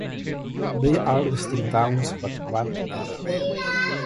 They are distinct towns, but run together.